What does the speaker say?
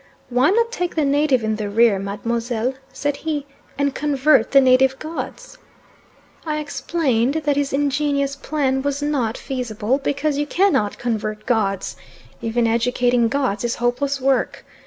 "Why not take the native in the rear, Mademoiselle," said he, "and convert the native gods?" I explained that his ingenious plan was not feasible, because you cannot convert gods. Even educating gods is hopeless work.